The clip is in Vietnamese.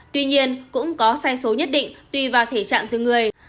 tuy nhiên cũng có sai số nhất định tùy vào thể trạng từ người